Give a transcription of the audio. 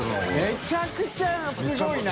めちゃくちゃすごいな！